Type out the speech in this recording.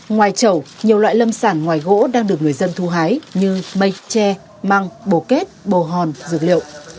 ngoài chẩu nhiều loại lâm sản ngoài gỗ đang được người dân thu hái như mây tre măng bồ kết bồ hòn dược liệu